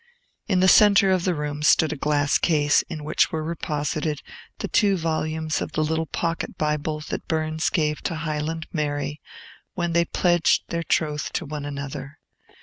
In the centre of the room stood a glass case, in which were reposited the two volumes of the little Pocket Bible that Burns gave to Highland Mary, when they pledged their troth to one another.